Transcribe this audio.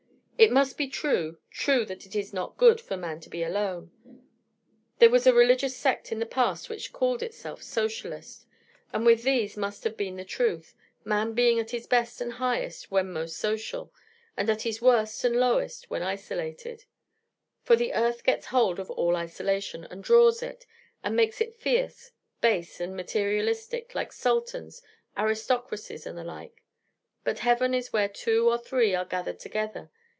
It must be true, true that it is 'not good' for man to be alone. There was a religious sect in the Past which called itself 'Socialist': and with these must have been the truth, man being at his best and highest when most social, and at his worst and lowest when isolated: for the Earth gets hold of all isolation, and draws it, and makes it fierce, base, and materialistic, like sultans, aristocracies, and the like: but Heaven is where two or three are gathered together.